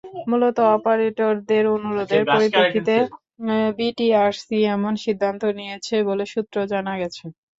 মূলত অপারেটরদের অনুরোধের পরিপ্রেক্ষিতেই বিটিআরসি এমন সিদ্ধান্ত নিয়েছে বলে সূত্রে জানা গেছে।